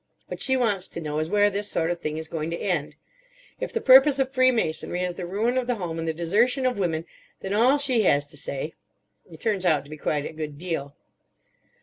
What she wants to know is where this sort of thing is going to end? If the purpose of Freemasonry is the ruin of the home and the desertion of women, then all she has to say—it turns out to be quite a good deal.